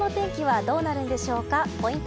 週末の天気はどうなるんでしょうか。